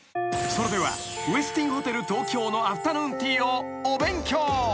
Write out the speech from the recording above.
［それではウェスティンホテル東京のアフタヌーンティーをお勉強］